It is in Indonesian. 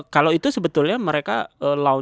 kalau itu sebetulnya mereka